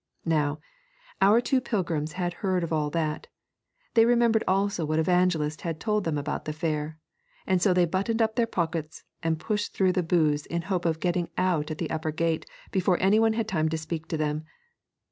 Now, our two pilgrims had heard of all that, they remembered also what Evangelist had told them about the fair, and so they buttoned up their pockets and pushed through the booths in the hope of getting out at the upper gate before any one had time to speak to them.